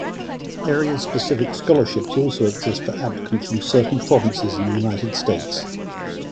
Area-specific scholarships also exist for applicants from certain provinces and the United States.